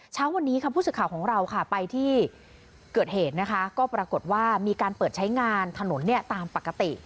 เช้าวันนี้ค่ะผู้สื่อข่าวของเราค่ะไปที่เกิดเหตุนะคะก็ปรากฏว่ามีการเปิดใช้งานถนนเนี่ยตามปกติ